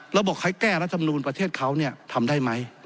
แล้วบอกให้แก้รัฐมนูลประเทศเขาเนี่ยทำได้ไหม